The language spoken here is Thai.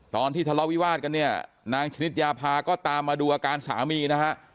ตอนที่ทะเลาะวิวาสกันเนี่ยนางชนิดยาพาก็ตามมาดูอาการสามีนะฮะ